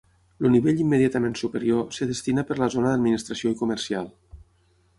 El nivell immediatament superior, es destina per la zona d'administració i comercial.